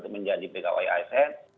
menjadi pegawai asn